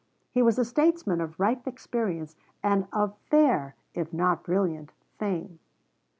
He was a statesman of ripe experience, and of fair, if not brilliant, fame.